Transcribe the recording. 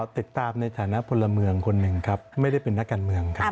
ติดตามในฐานะพลเมืองคนหนึ่งครับไม่ได้เป็นนักการเมืองครับ